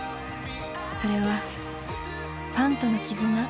それはファンとの絆。